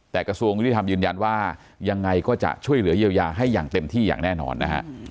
แต่กระทรวงยุติธรรมยืนยันว่ายังไงก็จะช่วยเหลือเยียวยาให้อย่างเต็มที่อย่างแน่นอนนะฮะ